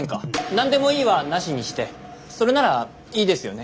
「なんでもいい」はなしにしてそれならいいですよね？